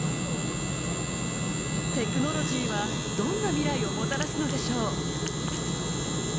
テクノロジーはどんな未来をもたらすのでしょう。